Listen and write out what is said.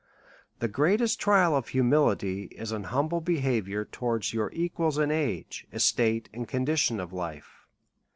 The greatest trial of hu mility is an humble behaviour towards your equals in age, estate, and condit!on of life.